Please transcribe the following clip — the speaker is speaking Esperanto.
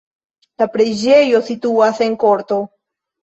La preĝejo situas en korto.